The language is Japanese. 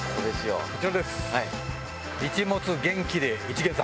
こちらです！